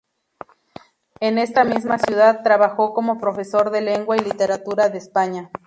En esta misma ciudad trabajó como profesor de Lengua y Literatura de España.